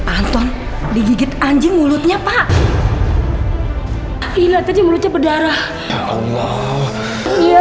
anton digigit anjing mulut dia pak